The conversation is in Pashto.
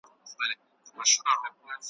چي لېوه دی که ګیدړ خدای په خبر دی `